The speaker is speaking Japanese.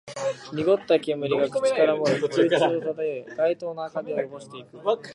濁った煙が口から漏れ、空中を漂い、街灯の明かりを汚していく